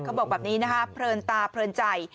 เขาบอกแบบนี้นะคะเพลินตาเพลินใจ